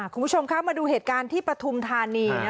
คุณผู้ชมคะมาดูเหตุการณ์ที่ปฐุมธานี